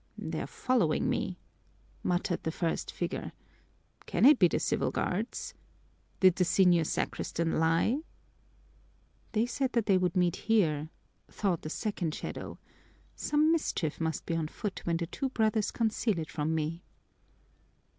"They're following me," muttered the first figure. "Can it be the civil guards? Did the senior sacristan lie?" "They said that they would meet here," thought the second shadow. "Some mischief must be on foot when the two brothers conceal it from me."